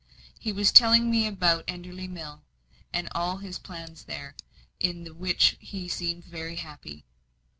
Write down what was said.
He was telling me about Enderley Mill, and all his plans there, in the which he seemed very happy.